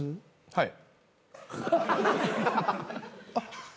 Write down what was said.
はい。